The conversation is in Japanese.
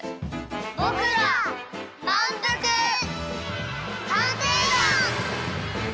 ぼくらまんぷく探偵団！